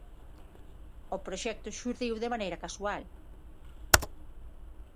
O proxecto xurdiu de maneira casual.